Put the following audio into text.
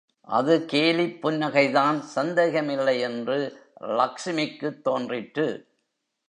அது கேலிப் புன்னகைதான் சந்தேகமில்லை என்று லக்ஷ்மிக்குத் தோன்றிற்று.